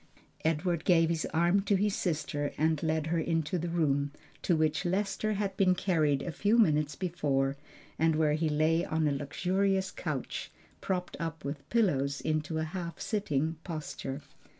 Edward gave his arm to his sister and led her into the room, to which Lester had been carried a few moments before, and where he lay on a luxurious couch, propped up with pillows into a half sitting posture.